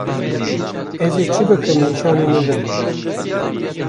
Ez ê çi bikim nîşanî min bidin.